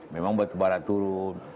memang barat barat turun